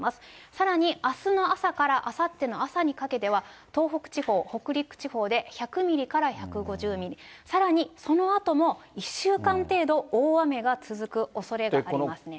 さらにあすの朝からあさっての朝にかけては、東北地方、北陸地方で１００ミリから１５０ミリ、さらにそのあとも、１週間程度、大雨が続くおそれがありますね。